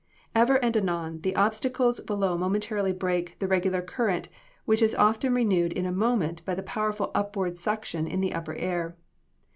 Ever and anon, the obstacles below momentarily break the regular current, which is as often renewed in a moment by the powerful upward suction in the upper air.